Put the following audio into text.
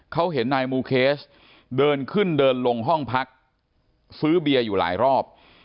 เขาเห็นนายมูเคสเดินขึ้นเดินลงห้องพักซื้อเบียร์อยู่หลายรอบ